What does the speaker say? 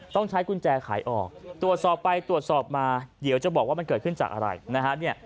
ต้องใช้กุญแจขายออกตรวจสอบไปตรวจสอบมาเดี๋ยวจะบอกว่ามันเกิดขึ้นจากอะไรนะฮะ